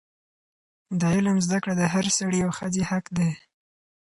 د علم زده کړه د هر سړي او ښځې حق دی.